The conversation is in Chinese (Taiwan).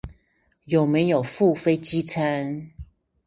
有沒有附飛機餐